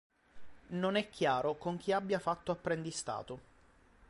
Non è chiaro con chi abbia fatto apprendistato.